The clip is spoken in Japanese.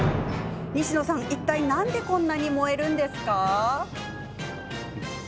西野さん、いったいなんでこんなに燃えるんでしょうか？